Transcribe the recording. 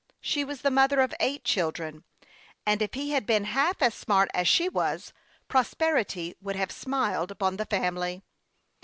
She was the mother of eight children, and if he had been half as smart as she was, pros perity would have smiled upon the family.